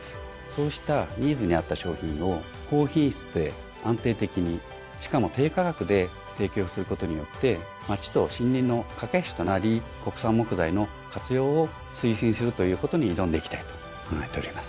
そうしたニーズに合った商品を高品質で安定的にしかも低価格で提供することによって町と森林の懸け橋となり国産木材の活用を推進するということに挑んでいきたいと考えております。